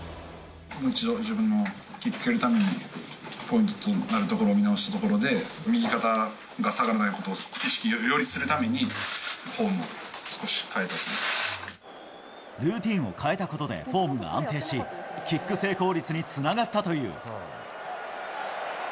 もう一度、自分のキックを蹴るためにポイントになる所を見直したところで、右肩が下がらないことを意識をよりするために、ルーティンを変えたことでフォームが安定し、キック成功率につながったという。